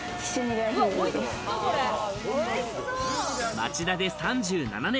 町田で３７年。